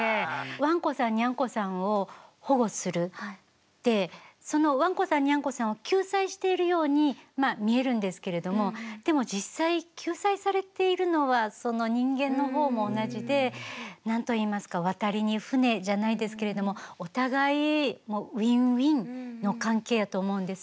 わんこさんにゃんこさんを保護するってそのわんこさんにゃんこさんを救済しているようにまあ見えるんですけれどもでも実際救済されているのはその人間の方も同じで何と言いますか「渡りに船」じゃないですけれどもお互いウィンウィンの関係やと思うんです。